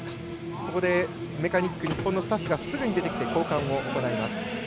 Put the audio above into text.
ここでメカニック日本のスタッフがすぐに出てきて交換を行います。